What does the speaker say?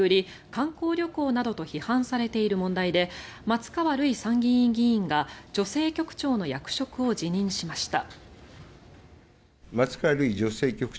観光旅行などと批判されている問題で松川るい参議院議員が女性局長の役職を辞任しました。